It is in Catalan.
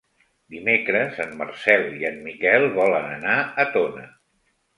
Dimecres en Marcel i en Miquel volen anar a Tona.